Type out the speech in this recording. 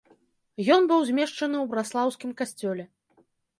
Ён быў змешчаны ў браслаўскім касцёле.